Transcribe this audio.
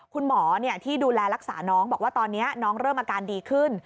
คุณหมอที่ดูแลรักษาน้องบอกว่าตอนนี้น้องเริ่มอาการดีขึ้น